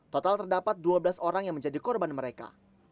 total terdapat dua belas orang yang menjadi korban mereka